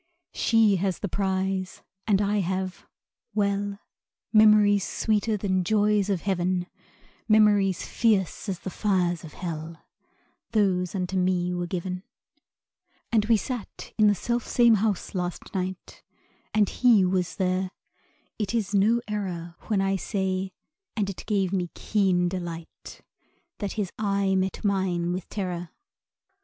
She has the prize, and I have well, Memories sweeter than joys of heaven; Memories fierce as the fires of hell Those unto me were given. And we sat in the self same house last night; And he was there. It is no error When I say (and it gave me keen delight) That his eye met mine with terror.